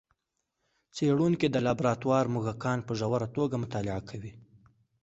څېړونکي د لابراتوار موږکان په ژوره توګه مطالعه کوي.